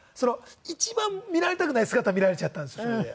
一番見られたくない姿見られちゃったんですそれで。